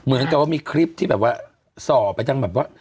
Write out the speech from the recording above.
เหมือนกับว่ามีคลิปที่แบบว่าส่อไปทางแบบว่า